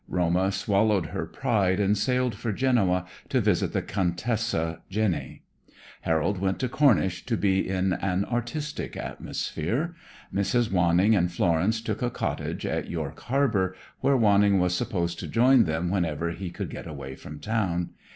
Roma swallowed her pride and sailed for Genoa to visit the Contessa Jenny. Harold went to Cornish to be in an artistic atmosphere. Mrs. Wanning and Florence took a cottage at York Harbor where Wanning was supposed to join them whenever he could get away from town.